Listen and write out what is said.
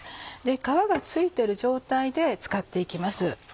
皮が付いてる状態で使って行きます。